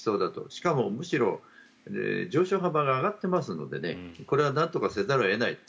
しかも、むしろ上昇幅が上がっていますのでこれはなんとかせざるを得ないと。